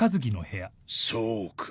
そうか。